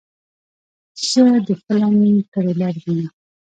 زه د فلم ټریلر وینم.